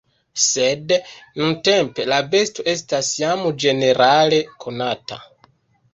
Sed nuntempe la besto estas jam ĝenerale konata.